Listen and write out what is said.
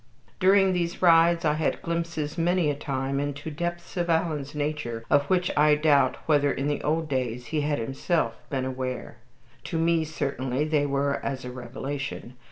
During these rides I had glimpses many a time into depths in Alan's nature of which I doubt whether in the old days he had himself been aware. To me certainly they were as a revelation.